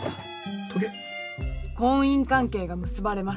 婚姻関係が結ばれました。